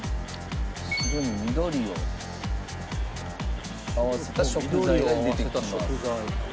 白に緑を合わせた食材が出てきます。